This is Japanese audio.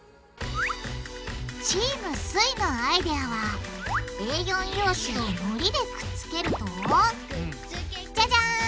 チームすイのアイデアはＡ４用紙をのりでくっつけるとじゃじゃん！